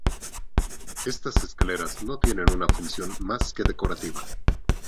Estas escaleras no tienen una función más que decorativa.